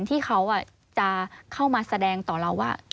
ที่เขาจะเข้ามาแสดงต่อเราว่า